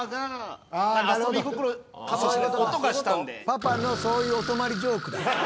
パパのそういうお泊まりジョークだ。